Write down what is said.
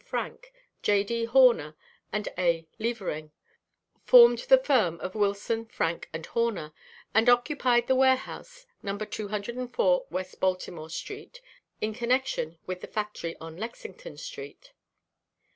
Frank, J. D. Horner and A. Levering, formed the firm of Wilson, Frank & Horner, and occupied the warehouse No. 204 West Baltimore street, in connection with the factory on Lexington street.